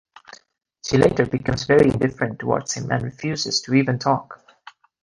She later becomes very indifferent towards him and refuses to even talk.